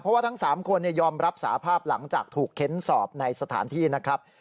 เพราะว่าทั้ง๓คนยอมรับสาภาพหลังจากถูกเค้นสอบในสถานที่นะครับ